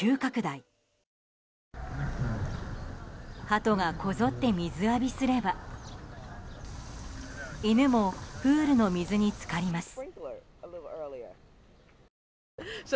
ハトがこぞって水浴びすれば犬もプールの水に浸かります。